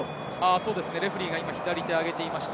レフェリーが左手を上げていました。